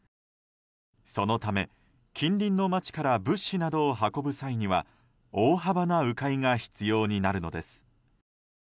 そのため、近隣の街から物資などを運ぶ際には大幅な迂回が必要になるのです。